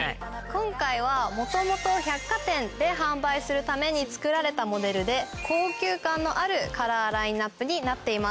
今回は元々百貨店で販売するために作られたモデルで高級感のあるカラーラインアップになっています。